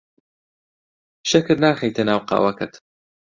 شەکر ناخەیتە ناو قاوەکەت.